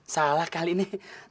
salah kali ini